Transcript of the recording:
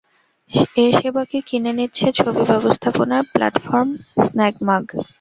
এ সেবাকে কিনে নিচ্ছে ছবি ব্যবস্থাপনার প্ল্যাটফর্ম স্ম্যাগমাগ।